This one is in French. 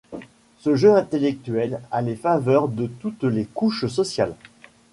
Ce jeu intellectuel a les faveurs de toutes les couches sociales.